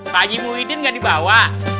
pak haji muhyiddin nggak dibawa